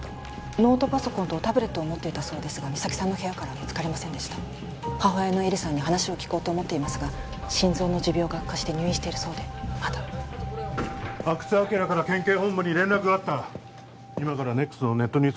ノートパソコンとタブレットを持っていたそうですが実咲さんの部屋からは見つかりませんでした母親の絵里さんに話を聞こうと思っていますが心臓の持病が悪化して入院しているそうでまだ阿久津晃から県警本部に連絡があった今からＮＥＸのネットニュース